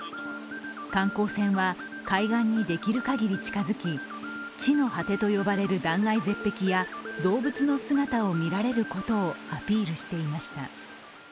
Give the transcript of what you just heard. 観光船は海岸にできるかぎり近づき地の果てと呼ばれる断崖絶壁や動物の姿を見られることをアピールしていました。